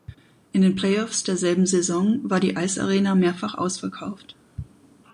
In den Playoffs derselben Saison war die Eisarena mehrfach ausverkauft.